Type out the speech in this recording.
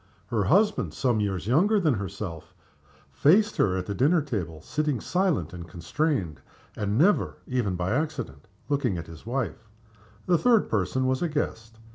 Her husband, some years younger than herself, faced her at the table, sitting silent and constrained, and never, even by accident, looking at his wife. The third person was a guest.